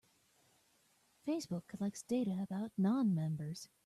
Facebook collects data about non-members.